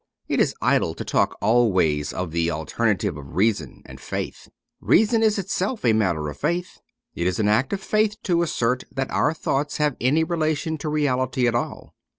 It is idle to talk always of the alter native of reason and faith. Reason is itself a matter of faith. It is an act of faith to assert that our thoughts have any relation to reality at all.